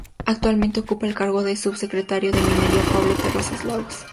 Actualmente ocupa el cargo de subsecretario de Minería, Pablo Terrazas Lagos.